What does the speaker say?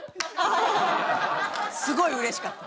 すごい嬉しかった。